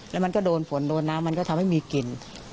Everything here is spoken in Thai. แล้วมันก็โดนฝนโดนน้ำมันก็ทำให้มีกลิ่น